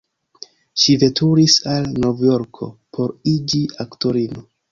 Ŝi veturis al Novjorko, por iĝi aktorino.